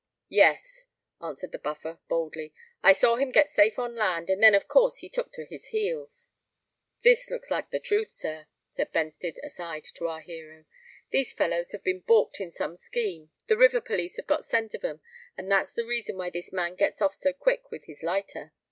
"Yes," answered the Buffer, boldly. "I saw him get safe on land; and then of course he took to his heels." "This looks like the truth, sir," said Benstead aside to our hero. "These fellows have been baulked in some scheme—the river police have got scent of 'em—and that's the reason why this man gets off so quick with his lighter."